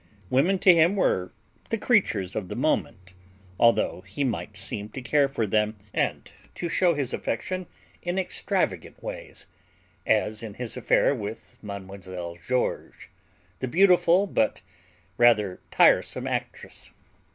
Women to him were the creatures of the moment, although he might seem to care for them and to show his affection in extravagant ways, as in his affair with Mlle. Georges, the beautiful but rather tiresome actress.